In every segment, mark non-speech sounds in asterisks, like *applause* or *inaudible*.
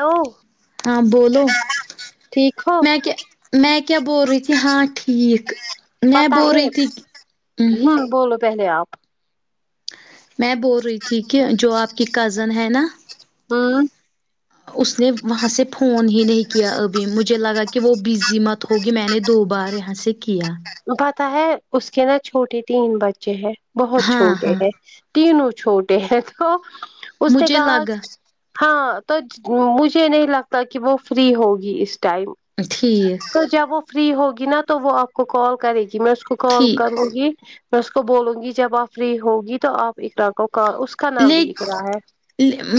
hello ہاں بولو ٹھیک ہو میں کیا بول رہی تھی ہاں ٹھیک میں پتا بول ہے رہی تھی ہمم ہوں بولو پہلے آپ میں بول رہی تھی کہ جو آپ کی کزن ہے نا ہوں اس نے وہاں سے فون ہی نہیں کیا ابھی مجھے لگا کہ وہ بزی مت ہوگی میں نے دو بار یہاں سے کیا پتا ہے اس کے نا چھوٹے تین بچے ہیں بہت ہاں چھوٹے ہاں ہیں تینوں چھوٹے ہیں تو اس نے مجھے کہا لگا ہاں تو مجھے نہیں لگتا کہ وہ فری ہوگی اس ٹائم ٹھیک تو جب وہ فری ہوگی نا تو وہ آپ کو کال کرے گی میں اس کو کال ٹھیک کروں گی میں اس کو بولوں گی جب آپ فری ہوگی تو آپ اقراء کو کال اس کا نام لے بھی اقراء ہے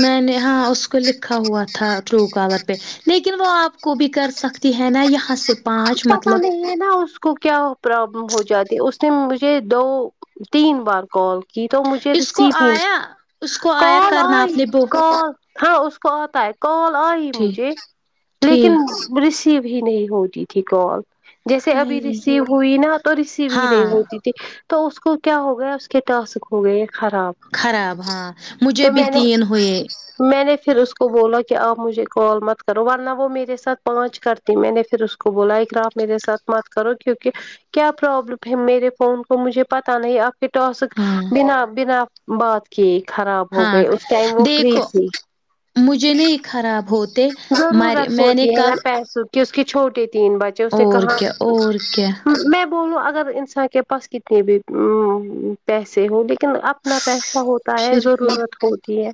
میں نے ہاں اس کو لکھا ہوا تھا ٹروکالر پہ لیکن وہ آپ کو بھی کر سکتی ہے نا یہاں سے پانچ مطلب یہ نا اس کو کیا پرابلم ہو جاتی اس نے مجھے دو تین بار کال کی تو مجھے اس کو ریسیو ہی آیا اس کو آیا کال کرنا آپ نے آئی وہ کال ہاں اس کو آتا ہے کال آئی ٹھیک مجھے ٹھیک لیکن ریسیو ہی نہیں ہوتی تھی کال جیسے ابھی ہائی ریسیو ہوئی نا تو ریسیو ہی نہیں ہاں ہوتی تو اس کو کیا ہو گیا اس کے ٹاسک ہو گئے خراب خراب ہاں مجھے تو بھی میں نے تین ہوئے میں نے پھر اس کو بولا کہ آپ مجھے کال مت کرو ورنہ وہ میرے ساتھ پانچ کرتی میں نے پھر اس کو بولا ہے کہ آپ میرے ساتھ مت کرو کیونکہ کیا پرابلم ہے میرے فون کو مجھے پتا نہیں آپ کے ٹاسک ہاں بنا بنا بات کی خراب ہو ہاں گئے اس ٹائم وہ فری دیکھو تھی مجھے نہیں خراب ہوتے مر میں نے کل کہ اس کے چھوٹے تین بچے اس نے اور کہاں کیا اور کیا میں بولو اگر انسان کے پاس کتنے بھی مم پیسے ہو لیکن تو اپنا پیسہ ہوتا ہے پھر بھی ضرورت ہوتی ہے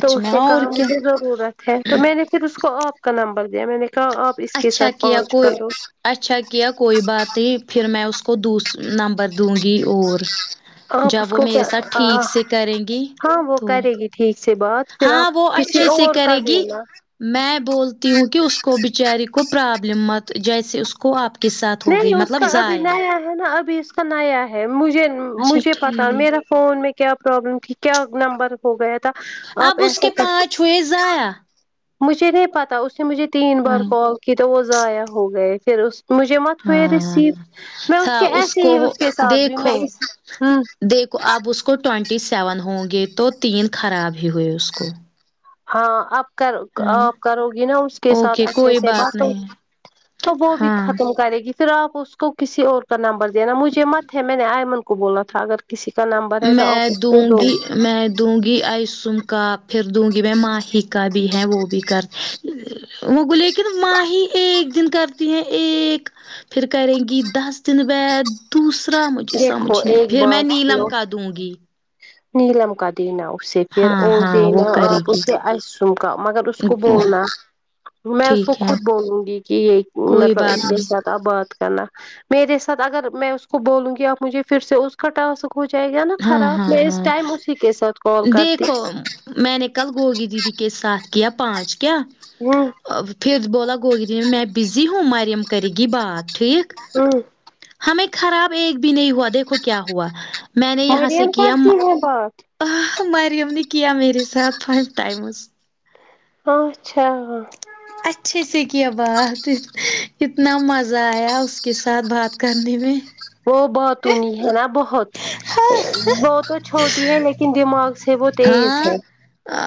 تو میں اس نے اور کہا کیا مجھے ضرورت ہے تو میں نے پھر اس کو آپ کا نمبر دیا میں نے تو آپ اس کے اچھا ساتھ کیا پانچ کوئی کرو اچھا کیا کوئی بات نہیں پھر میں اس کو دوسرا نمبر دوں گی اور آپ اس جب وہ کو میرے کیا ساتھ ٹھیک سے کریں گی ہاں وہ تو کرے گی ٹھیک سے بات پھر ہاں آپ وہ کسی اچھے سے اور کا کرے گی دینا میں بولتی ہوں کہ اس کو بیچاری کو پرابلم مت جیسے اس کو آپ کس ساتھ ہو نہیں گئی اس مطلب کا ابھی ضائع نیا ہے نا ابھی اس کا نیا ہے مجھے اچھا مجھے پتا ٹھیک میرا فون میں کیا پرابلم تھی کیا نمبر ہو گیا تھا آپ اب اس ایسا کے کر پانچ ہوئے ضائع مجھے نہیں پتا اس نے مجھے تین بار ہاں کال کی تو وہ ضائع ہو گئے پھر اس مجھے مت ہوئے ہاں ریسیو میں اس تھا کے ایسے کو ہی اس کے ساتھ بھی میں دیکھو اس ہوں دیکھو اب اس کو ٹونٹی سیون ہوں گے تو تین خراب ہی ہوئے اس کو ہاں آپ ہے نا آپ کرو گی نا اس کے ساتھ اوکے اچھے کوئی سے بات ہو نہیں تو وہ بھی ہاں ختم کرے گی پھر آپ اس کو کسی اور کا نمبر دینا مجھے مت ہے میں نے آئمن کو بولا تھا اگر کسی کا نمبر ہے تو میں آپ اس کو دوں دو گی میں دوں گی آئسن کا پھر دوں گی میں ماہک کا بھی ہے وہ بھی کر وہ لیکن ماہی ایک دن کرتی ہیں ایک پھر کریں گی دس دن بعد دوسر را مجھے دیکھو سمجھ نی ایک پھر میں بار نیلم سنو کا دوں گی نیلم کا دینا اسے پھر ہاں اور ہاں وہ دینا کرے آپ گی اسے آسوم کا مگر اس کو بولنا میں اس کو ٹھیک ہے خود بولوں گی کہ یہ کوئی مطلب ان بات کے نہیں ساتھ ا بات کرنا میرے ساتھ اگر میں اس کو بولوں گی آپ مجھے پھر سے اس کا ٹاسک ہو جائے گا نا ہاں خراب ہاں میں اس ہاں ٹائم اسی کے ساتھ کال کرتی دیکھو میں نے کل گوگی دیدی کے ساتھ کیا پانچ کیا ہوں ا پھر بولا گوگری میں بزی ہوں ماریم کرے گی بات ٹھیک سن ہمیں خراب ایک بھی نہیں ہوا دیکھو کیا ہوا میں نے یہاں سے مریم کیام کرتی ہیں بات آہ مریم نے کیا میر ے ساتھ فائیو ٹائمز ہاں اچھا اچھے سے کیا بات کتنا مزہ آیا اس کے ساتھ بات کرنے میں وہ با تونی ہے نا بہت ا وہ تو چھوٹی ہے لیکن دماغ سے وہ تیز ہاں ہے ا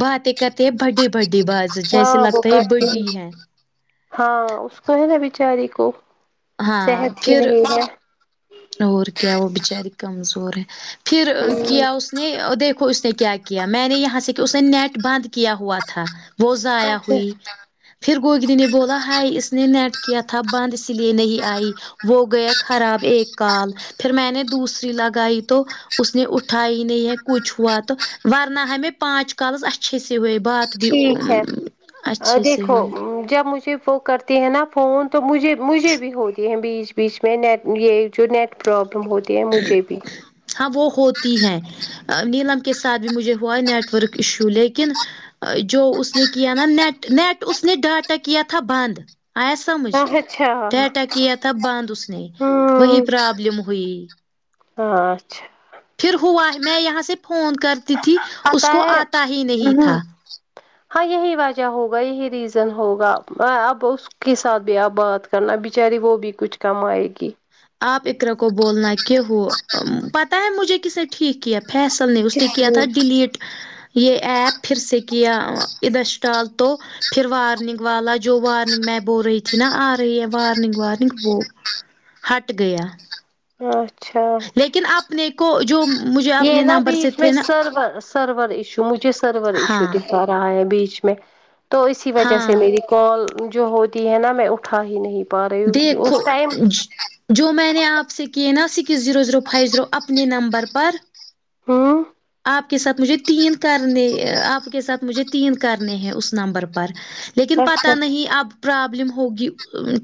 باتیں کر تیں بڈ ی بڈی باز جیسے ہاں وہ لگتا ہےیہ کرتی ہے بڈی ہیں ہاں اس کو ہے نا بچاری کو ہاں صحت ہی پھر نہیں ہے اور کیا وہ بچاری کمزور ہے پھر ہوں کیا اس نے دیکھو اس نے کیا کیا میں نے یہاں سے کہ اس نے نیٹ بند کیا ہوا تھا وہ زایع اچھا ہوئی پھر گوگر ی نے بولا ہائی اس نے نیٹ کیا تھا بند اسی لیے نہیں آئی وہ گیا خراب ایک کال پھر میں نے دوسری لگائی تو اس نے اٹھائی ہی نہیں ہے کچھ ہوا تو ورنہ ہمیں پانچ کالس اچھے سے ہوئے بات بھی ٹھیک ہے ا اچھے سے دیکھو ہوئی جب مجھے وہ کر تی ہیں نا فون تو مجھے مجھے بھی ہوتی ہیں بیچ بیچ میں نیٹ یہ جو نیٹ پرابلم ہوتی تی ہیں مجھے بھی ہاں وہ ہوتی ہیں ا نیلم کے ساتھ بھی مجھے ہوا نیٹورک ایشو لیکن ا جو اس نے کیا نا نیٹ نیٹ اس نے ڈاٹا کیا تھا بند آیس سمجھ اچھا ہوں ڈاٹا کیا تھا بند اس نے وہی پرابلم ہوئی اں اچھا پھر ہوا ہے میں یہاں سے فون کرتی تھی اس پتا کو آتا ہی نہیں ہے تھا ہاں یہی وجہ ہوگا یہی ریزن ہوگا ا اب اس کے ساتھ بھی آپ بات کرنا بچاری وہ بھی کچھ کم آئے گی آپ ات رکھو بولنا کہ ہو ام پتہ ہے مجھے کس نے ٹھیک کیا فیصل نے اس نے کیا تھا ڈیلیٹ یہ ایپ پھر سے کیا ا ابسٹال تو پھر وارننگ والا جو وارننگ میں بو رہی تھی نا آ رہی ہے وارننگ وارننگ بو ہٹ گیا اں اچھا لیکن اپنے کو جو مجھے یہ اپنے نا نمبر سے بیچ میں تھے نا سرورس سرور ایشو مجھے سرور ایشو ہاں دکھا رہا ہے بیچ میں تو اسی وجہ ہاں سے میری کال جو ہوتی ہے نا میں اٹھا ہی نہیں پا رہی ہوں دیکھو اس ٹائم اج جو میں نے آپ سے کیے نا six zero zero five zero اپنے نمبر پر ہوں آپ کے ساتھ مجھے تین کرنے ا آپ کے ساتھ مجھے تین کرنے ہیں اس نمبر پر لیکن اچھا پتہ نہیں اب پرابلم ہوگی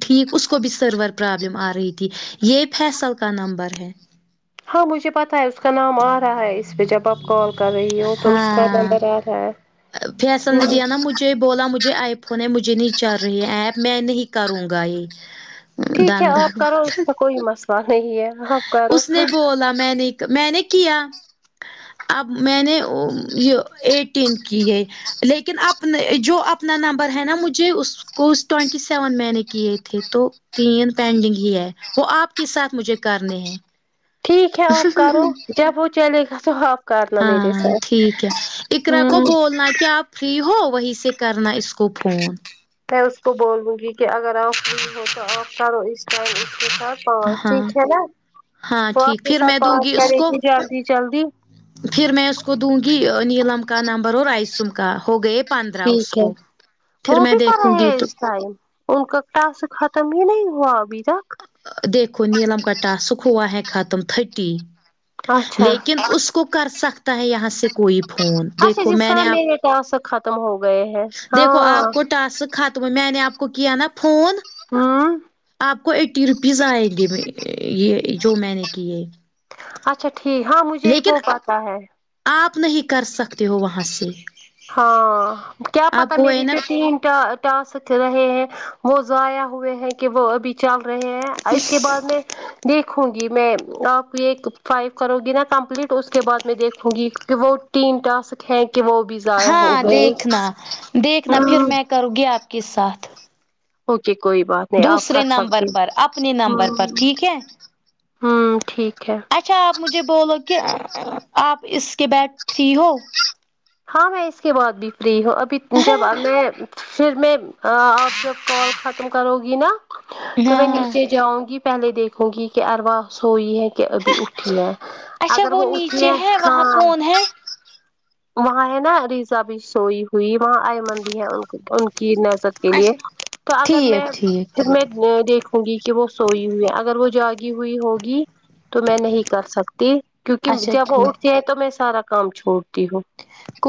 ٹھیک اس کو بھی سرور پرابلم آ رہی تھی یہ فیصل کا نمبر ہے ہاں مجھے پتہ ہے اس کا نام آ رہا ہے اس پہ جب آپ کال کر رہی ہو تو اس کا ہاں نمبر آ رہا ہے فیصل نے ہ دیا نا مجھے بولا مجھے آئی فون ہے مجھے نہیں چل رہی ایپ میں نہیں کروں گا یہ ٹھیک ہے آپ دندگ کرو اس کا کوئی مسئلہ نہیں ہے آپ کرو اس نے بولا میں نے میں نے کیا اب میں نے یہ ایٹین کی ہے لیکن اپنے جو اپنا نمبر ہے نا مجھے اس کوس ٹینٹی سیون میں نے کیے تھے تو تین پینڈنگ ہی ہے وہ آپ کے ساتھ مجھے کرنے ہیں ٹھیک ہے اپ کرو جب وہ چلے گا تو آپ کرنا میرے ہاں ساتھ ٹھیک ہے اقرا کو ہوں بولنا کہ آپ فری ہو وہیں سے کرنا اس کو فون میں اس کو بولوں گی کہ اگر آپ فری ہو تو آپ کرو اس کرو اسکے ساتھ پانچ ہاں ٹھیک ہے نا ہاں وہ اپ ٹھیک کے پھر ساتھ میں دوں پانچ اس کرے کو گی جلدی جلدی پھر میں اس کو دوں گی نیلم کا نمبر اور ائسم کا ہو گئے پندرہ اس ٹھیک ہے کو وہ پھر میں بھی دیکھوں کررہے گی ہیں تو اس ٹائم ان کا ٹاسک ختم ہی نہیں ہوا ابھی تک دیکھو نیلم کا ٹاسک ہوا ہے ختم تھرٹی اچھا لیکن اس کو کر سکتا ہے یہاں سے کوئی فون اچھا دیکھو جس میں طرح نے آپ میرے ٹاسک ختم ہو گئے ہیں دیکھو ہاں آپ کو ٹاسک ختم میں نے آپ کو کیا نا فون ہاں آپ کو ایٹی روپیز آئیں گے یہ جو میں نے کی ہے اچھا ٹھیک ہاں مجھے وہ پتا ہے آپ نہیں کر سکتے ہو وہاں سے ہاں کیا آپ پتا کو ہے میری نا جوتی انٹر ٹاسک رہے ہیں وہ ضایا ہوئے ہیں کہ وہ ابھی چل رہے ہیں اس کے بعد میں دیکھوں گی میں آپ ایک فائیو کرو گی نا کمپلیٹ اس کے بعد میں دیکھوں گی کہ وہ تین ٹاسک ہے کہ وہ بھی ضائع ہو ہاں گئے دیکھنا دیکھنا پھر ہوں میں کرونگی آپکے ساتھ اوکے کوئی بات نہیں آپ کر دوسرے نمبر سکتی پر اپنے نمبر پر ہمم ٹھیک ہے ہوں ٹھیک ہے اچھا آپ مجھے بولو کہ آپ اس کے بیڈ فری ہو ہاں میں اس کے بعد بھی فری ہوں ابھی جب ہاں میں پھر میں آپ جب کال ختم کرو گی نا تو میں ہاں نیچے جاؤں گی پہلے دیکھو گی کہ اروا سوئی ہے کہ ابھی اٹھی ہے اچھا اگر وہ اٹھی نیچے ہے وہاں ہاں کون ہے وہاں ہے نا ریزا بھی سوئی ہوئی وہاں ایمن بھی ہے ان ان کی نظر کے لیے اچھا تو اگر میں ٹھیک ٹھیک پھر میں میں دیکھوں گی کہ وہ سوئی ہوئی ہے اگر وہ جاگی ہوئی ہوگی تو میں نہیں کر سکتی کیونکہ اچھا جب وہ کوئی اٹھتی ہیں تو میں سارا کام چھوڑتی ہوں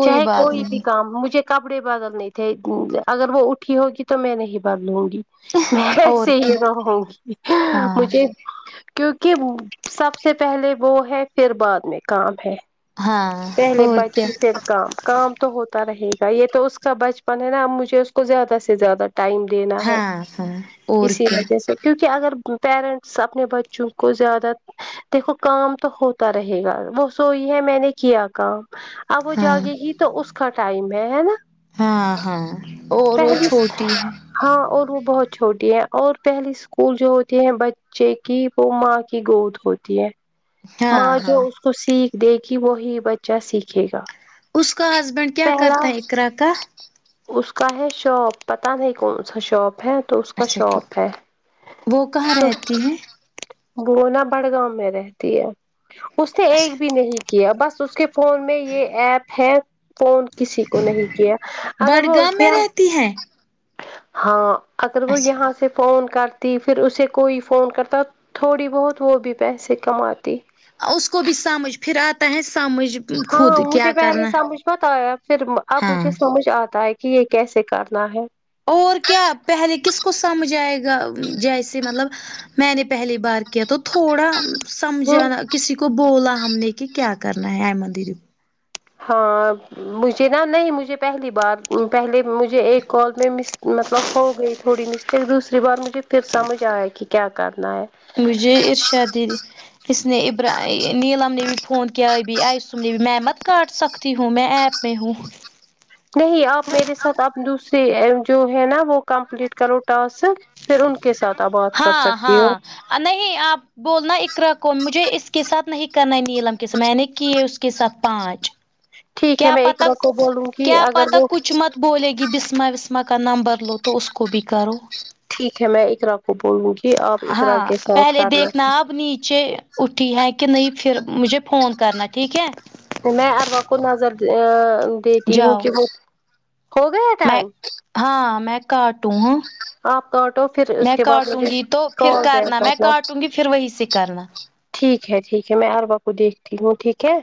چاہے بات کوئی بھی نہیں کام مجھے کپڑے بدل نہیں تھے اگر وہ اٹھی ہوگی تو میں نہیں بدلوں گی اور ویسے کیا ہی رہوں گی ہاں مجھے کیونکہ سب سے پہلے وہ ہے پھر بعد میں کام ہے ہاں اور کیا *unintelligible* پھر کام کام تو ہوتا رہے گا یہ تو اس کا بچپن ہے نا اب مجھے اس کو زیادہ سے زیادہ ٹائم دینا ہے ہاں ہاں اور اسی کیا وجہ سے کیونکہ اگر پیرنٹس اپنے بچوں کو زیادہ دیکھو کام تو ہوتا رہے گا وہ سوی ہے میں نے کیا کام اب وہ ہاں جاگے گی تو اس کا ٹائم ہے ہے نا ہاں ہاں اور وہ پہلی چھوٹی ہے ہاں اور وہ بہت چھوٹی ہے اور پہلی اسکول جو ہوتی ہیں ب چے کی وہ ماں کی گود ہوتی ہے ہاں ماں جو ہاں اس کو سیکھ دے گی وہی بچہ سیکھے گا اس کا ہسبینڈ کیا پہلا کرتا ہے اقرا کا اس کا ہے شاپ پتہ نہیں کون سا شاپ ہے تو اس کا اچھا ٹھیک شوپ ہے وہ کہاں تو رہتی ہے بو نا بڑگاوں میں رہتی ہے اس نے ایک اچھا بھی نہیں کیا بس اس کے فون میں یہ ایپ ہے فون کسی کو نہیں کیا اگر وہ بڈگام میں کیا رہتی ہے ہاں اگر وہ یہاں اچھا سے فون کر تی پھر اسے کوئی فون کرتا تھوڑی بہت وہ بھی پیسے کماتی اس کو بھی سمجھ پھر آتا ہے سمجھ ہاں خود کیا مجھے پہلے کرنا سمجھ مت آیا پھر اب ہاں مجھے سمجھ آتا ہے کہ یہ کیسے کرنا ہے اور کیا پہلے کس کو سمجھ آئے گا جیسے مطلب میں نے پہلی بار کیا تو تھوڑا ہوں سمجھانا کسی کو بولا ہم نے کہ کیا کرنا ہے ایمن دیدی کو ہاں مجھے نا نہیں مجھے پہلی بار پہلے مجھے ایک کال میں مس مطلب ہو گئی تھوڑی مسٹیک دوسری بار مجھے پھر سمجھ آیا کہ کیا کرنا ہے مجھے ارشا دی اس نے ابر نیلم نے بھی فون کیا بھی آئیسوم نے بھی میں مت کاٹ سکتی ہوں میں ایپ میں ھوں نہیں آپ میرے ساتھ آپ دوسرے جو ہے نا وہ کمپلیٹ کرو ٹاسک پھر ان کے ساتھ آپ بات کر ہاں سکتی ہو ہاں نہیں آپ بولنا اقرا کو مجھے اس کے ساتھ نہیں کرنا ہے نیلم کے ساتھ میں نے کیے اس کے ساتھ پانچ ٹھیک ہے کیا میں پتہ اقرا کو بولوں گی کیا اگر پتہ وہ کچھ مت بولے گی بسمہ وسما کا نمبر لو تو اس کو بھی کرو ٹھیک ہے میں اقرا کپ *unintelligible* ہاں پہلے دیکھنا اب نیچے اٹھی ہیں کہ نہیں پھر مجھے فون کرنا ٹھیک ہے میں اروا کو نظر دیتی ہوں جاؤ کہ وہ ہو گیا میں ٹائم ہاں میں کاٹوں ہاں آپ کاٹو پھر اس میں کے بعد کاٹوں مجھے گی تو پھر کال بیک کرنا میں کاٹوں گی پھر وہی سے کرنا ٹھیک ہے ٹھیک ہے میں عروہ کو دیکھتی ہوں ٹھیک ہے